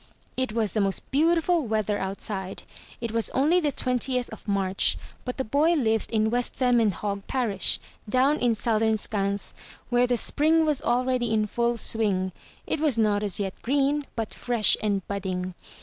It was the most beautiful weather outside! It was only the twentieth of March; but the boy lived in West Vemmenhog Parish, down in Southern Skans, where the spring was already in full swing. It was not as yet green, but fresh and budding.